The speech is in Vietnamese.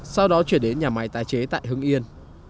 sau đó chuyển đến nhà máy tái chế tại hưng yên